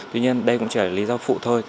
tuy nhiên đây cũng chỉ là lý do phụ thôi